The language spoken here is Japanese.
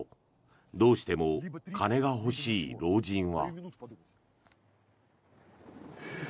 どうしても金が欲しい老人は。